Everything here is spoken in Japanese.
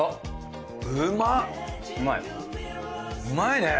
うまい。